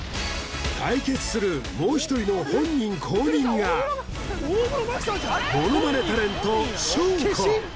対決するもう一人の本人公認がモノマネタレント翔子